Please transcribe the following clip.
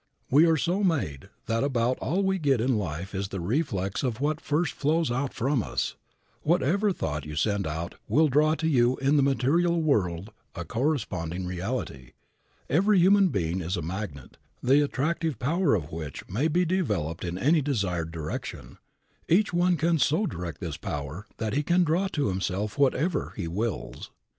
We are so made that about all we get in life is the reflex of what first flows out from us. Whatever thought you send out will draw to you in the material world a corresponding reality. Every human being is a magnet, the attractive power of which may be developed in any desired direction. Each one can so direct this power that he can draw to himself whatever he wills.